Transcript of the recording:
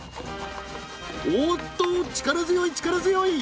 おっと力強い力強い！